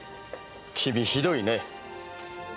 君ひどいね。